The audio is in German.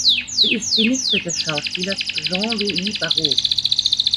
Sie ist die Nichte des Schauspielers Jean-Louis Barrault.